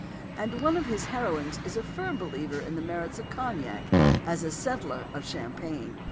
And one of his heroines is a firm believer in the merits of cognac as a "settler" of champagne.